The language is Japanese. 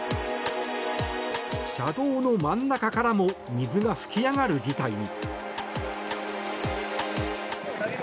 車道の真ん中からも水が噴き上がる事態に。